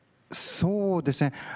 そうですね